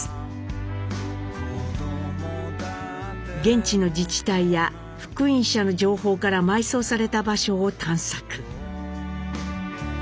現地の自治体や復員者の情報から埋葬された場所を探索。